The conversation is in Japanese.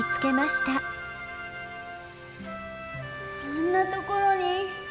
あんなところに。